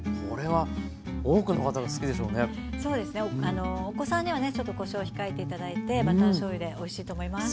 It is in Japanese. あのお子さんにはねちょっとこしょう控えて頂いてバターしょうゆでおいしいと思います。